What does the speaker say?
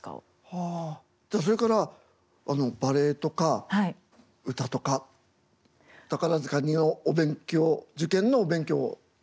はあじゃあそれからバレエとか歌とか宝塚のお勉強受験のお勉強を。